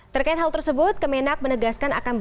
terkait hal tersebut kemenak menegaskan